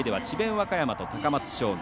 和歌山と高松商業。